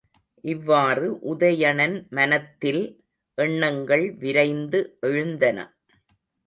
இவ்வாறு உதயணன் மனத்தில் எண்ணங்கள் விரைந்து எழுந்தன.